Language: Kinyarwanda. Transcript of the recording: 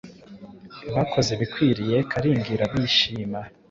Bakoze ibikwiriye Kalinga irabishima